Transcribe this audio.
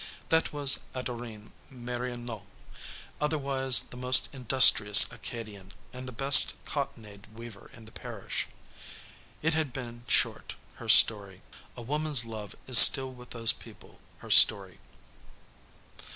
That was Adorine Mérionaux, otherwise the most industrious Acadian and the best cottonade weaver in the parish. It had been short, her story. A woman's love is still with those people her story.